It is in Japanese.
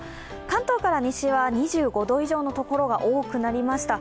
関東から西は２５度以上のところが多くなりました。